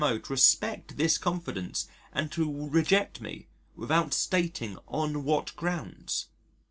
O. to respect this confidence and to reject me without stating on what grounds.